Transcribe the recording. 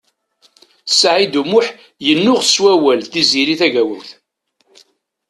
Saɛid U Muḥ yennuɣ s wawal d Tiziri Tagawawt.